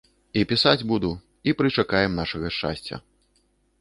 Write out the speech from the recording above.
І пісаць буду, і прычакаем нашага шчасця.